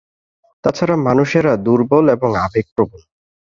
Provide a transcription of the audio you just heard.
তাছাড়া, মানুষেরা দুর্বল এবং আবেগপ্রবণ।